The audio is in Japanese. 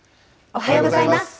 おはようございます。